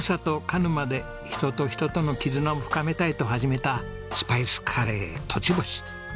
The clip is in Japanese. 鹿沼で「人と人との絆を深めたい」と始めたスパイスカレー栃星。